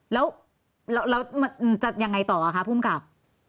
แล้วจะยังไงต่อคะผู้มกราบ